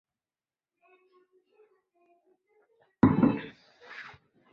冠山雀会在残株的穴上筑巢。